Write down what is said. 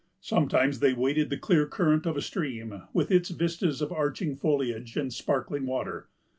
Sometimes they waded the clear current of a stream, with its vistas of arching foliage and sparkling water.